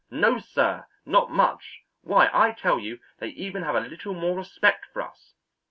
No, sir; not much. Why, I tell you, they even have a little more respect for us.